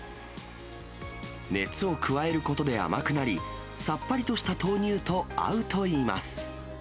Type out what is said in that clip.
熱を加えることで甘くなり、さっぱりとした豆乳と合うといいます。